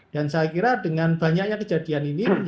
dan saya kira dengan banyaknya kejadian ini